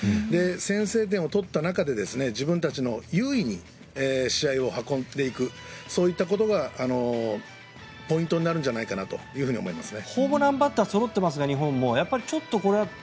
先制点を取った中で自分たちの優位に試合を運んでいくそういったことがポイントになるんじゃないかなと思いますね。